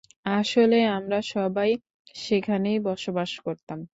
আসলে আমরা সবাই সেখানেই বসবাস করতাম।